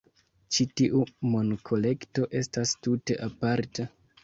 Ĉi tiu monkolekto estas tute aparta!